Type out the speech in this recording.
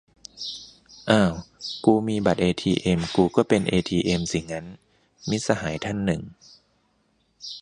"อ้าว กูมีบัตรเอทีเอ็มกูก็เป็นเอทีเอ็มสิงั้น ?" - มิตรสหายอีกท่านหนึ่ง